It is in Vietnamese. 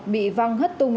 bị văng hất tung